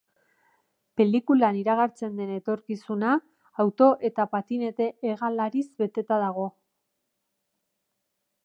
Pelikulan iragartzen den etorkizuna auto eta patinete hegalariz beteta dago.